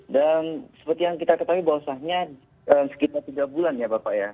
dan seperti yang kita ketahui bahwasannya sekitar tiga bulan ya bapak ya